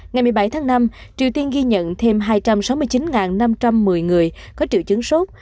ngày một mươi bảy tháng năm triều tiên ghi nhận thêm hai trăm sáu mươi chín năm trăm một mươi người có triệu chứng sốt